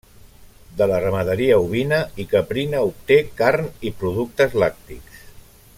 De la ramaderia ovina i caprina obté carn i productes làctics.